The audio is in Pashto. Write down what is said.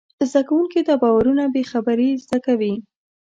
زدهکوونکي دا باورونه بېخبري زده کوي.